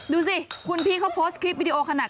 ดูสิคุณพี่เขาโพสต์คลิปวิดีโอขนาด